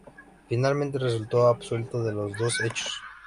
Finalmente resultó absuelto de los dos hechos.